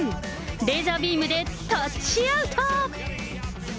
レーザービームでタッチアウト。